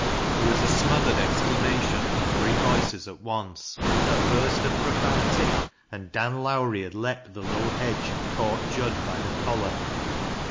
There was a smoth ered exclamation from three voices at once, a burst of profanity, and Dan Lowrie had leaped the low hedge and caught Jud by the collar.